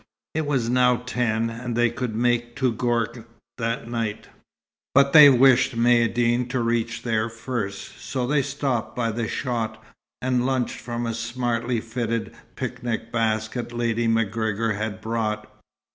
It was now ten, and they could make Touggourt that night. But they wished Maïeddine to reach there first, so they stopped by the chott, and lunched from a smartly fitted picnic basket Lady MacGregor had brought.